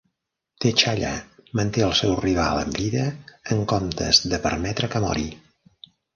T'Challa manté el seu rival amb vida en comptes de permetre que mori.